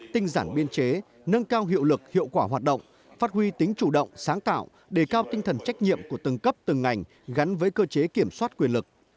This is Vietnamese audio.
tinh giản biên chế nâng cao hiệu lực hiệu quả hoạt động phát huy tính chủ động sáng tạo đề cao tinh thần trách nhiệm của từng cấp từng ngành gắn với cơ chế kiểm soát quyền lực